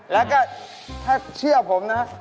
แล้วก็ถ้าเชื่อผมนะ